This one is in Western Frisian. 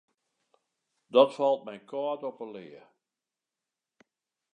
Dat falt my kâld op 'e lea.